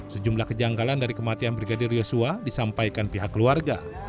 sejumlah kejanggalan dari kematian brigadir yosua disampaikan pihak keluarga